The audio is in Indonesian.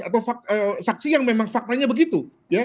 atau saksi yang memang faktanya begitu